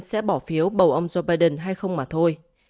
sẽ bỏ phiếu bầu ông joe biden hay không mà thôi